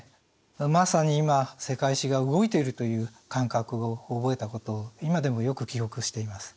まさに今世界史が動いてるという感覚を覚えたことを今でもよく記憶しています。